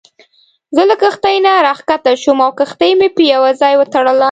زه له کښتۍ نه راکښته شوم او کښتۍ مې په یوه ځای وتړله.